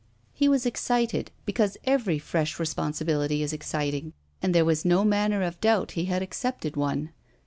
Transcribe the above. He was excited because every fresh responsibility is exciting, and there was no manner of doubt he had accepted one.